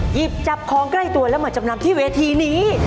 หยิบจับของใกล้ตัวแล้วมาจำนำที่เวทีนี้